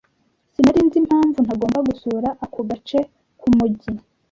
Sinari nzi impamvu ntagomba gusura ako gace k'umujyi.